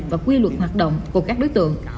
và quy luật hoạt động của các đối tượng